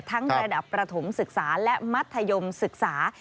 ระดับประถมศึกษาและมัธยมศึกษา